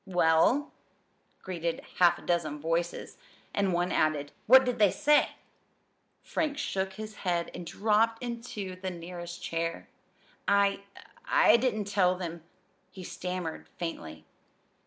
"Well?" greeted half a dozen voices; and one added: "What did they say?" Frank shook his head and dropped into the nearest chair. "I I didn't tell them," he stammered faintly.